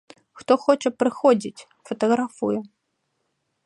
Хто хоча, прыходзіць, фатаграфуе.